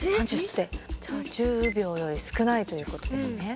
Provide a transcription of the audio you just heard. じゃあ１０秒よりすくないということですね。